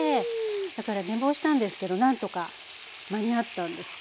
だから寝坊したんですけど何とか間に合ったんですよ。